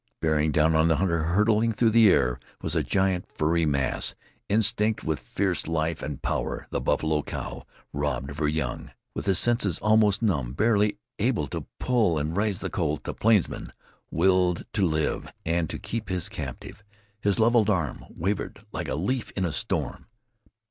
Bearing down on the hunter, hurtling through the air, was a giant furry mass, instinct with fierce life and power a buffalo cow robbed of her young. With his senses almost numb, barely able to pull and raise the Colt, the plainsman willed to live, and to keep his captive. His leveled arm wavered like a leaf in a storm.